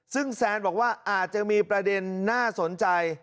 ซึ่งแซนบอกว่าอาจจะมีประเด็นน่าสนใจ